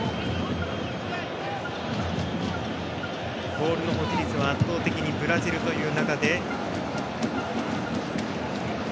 ボールの保持率は圧倒的にブラジルという中で。